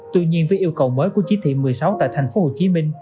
tuy nhiên với yêu cầu mới của chí thị một mươi sáu tại tp hcm